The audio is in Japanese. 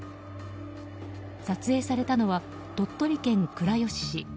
撮影されたのは鳥取県倉吉市。